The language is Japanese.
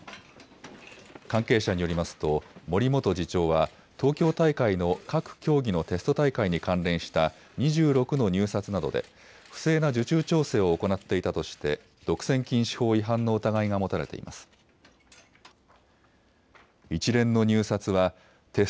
関係者によりますと森元次長は東京大会の各競技のテスト大会に関連した２６の入札などで不正な受注調整を行っていたとして独占禁止法違反の疑いが持たれています。